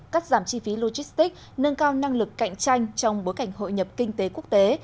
cắt giảm chi phí logistics nâng cao năng lực cạnh tranh trong bối cảnh hội nhập kinh tế quốc tế